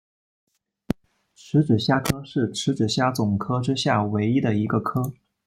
匙指虾科是匙指虾总科之下唯一的一个科。